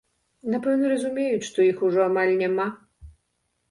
Напэўна, разумеюць, што іх ужо амаль няма.